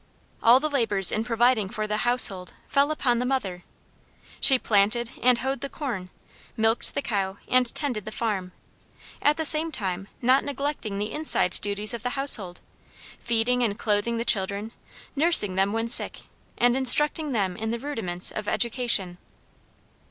All the labors in providing for the household fell upon the mother. She planted and hoed the corn, milked the cow and tended the farm, at the same time not neglecting the inside duties of the household, feeding and clothing the children, nursing them when sick and instructing them in the rudiments of education.